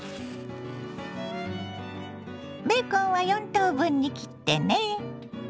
ベーコンは４等分に切ってね。